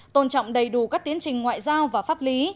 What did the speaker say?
tôn trọng đầy đủ các tiến trình ngoại giao và pháp lý